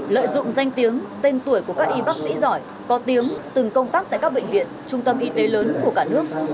lợi dụng danh tiếng tên tuổi của các y bác sĩ giỏi có tiếng từng công tác tại các bệnh viện trung tâm y tế lớn của cả nước